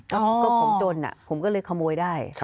ก็ผมจนผมก็เลยขโมยได้